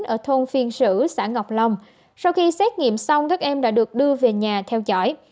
ở thôn phiên sử xã ngọc long sau khi xét nghiệm xong các em đã được đưa về nhà theo dõi